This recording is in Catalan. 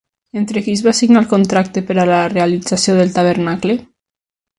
Entre qui es va signar el contracte per a la realització del tabernacle?